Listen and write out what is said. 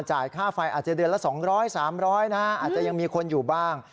ค่าไฟอาจจะเดือนละ๒๐๐๓๐๐นะอาจจะยังมีคนอยู่บ้าง